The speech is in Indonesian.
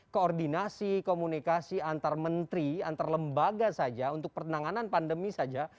koordinasi komunikasi antar menteri antar lembaga saja untuk penanganan pandemi saja